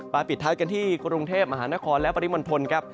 ปิดท้ายกันที่กรุงเทพมหานครและปริมณฑลครับ